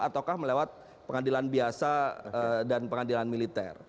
ataukah melewat pengadilan biasa dan pengadilan militer